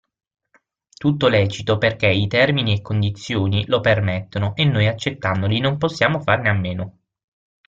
Tutto lecito perché i termini e condizioni lo permettono e noi accettandoli non possiamo farne a meno.